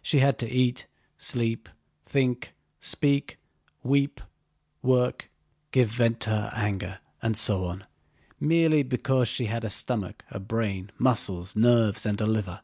She had to eat, sleep, think, speak, weep, work, give vent to her anger, and so on, merely because she had a stomach, a brain, muscles, nerves, and a liver.